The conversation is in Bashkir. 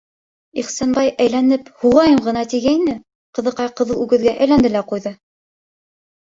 Ихсанбай әйләнеп, һуғайым ғына тигәйне, ҡыҙыҡай ҡыҙыл үгеҙгә әйләнде лә ҡуйҙы.